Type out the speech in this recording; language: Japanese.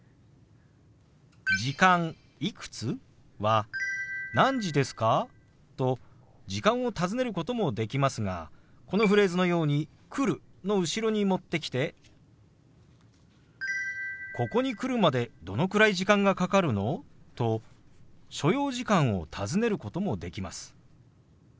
「時間いくつ？」は「何時ですか？」と時間を尋ねることもできますがこのフレーズのように「来る」の後ろに持ってきて「ここに来るまでどのくらい時間がかかるの？」と所要時間を尋ねることもできます。